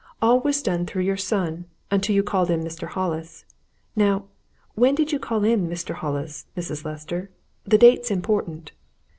All was done through your son, until you called in Mr. Hollis. Now, when did you call in Mr. Hollis, Mrs. Lester? the date's important."